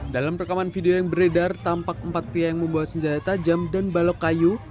dalam rekaman video yang beredar tampak empat pria yang membawa senjata tajam dan balok kayu